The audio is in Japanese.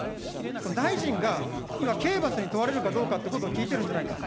大臣が、今、刑罰に問われるかどうかっていうことを聞いてるんじゃないんです。